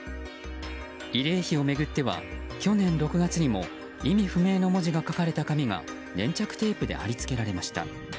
慰霊碑を巡っては、去年６月にも意味不明の文字が書かれた紙が粘着テープで貼り付けられました。